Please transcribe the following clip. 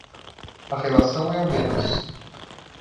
A relação é a menos